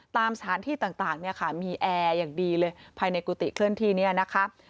ตามสถานที่ต่างเนี่ยค่ะมีแอร์อย่างดีเลยภายในกุฏิเคลื่อนที่นี้นะคะ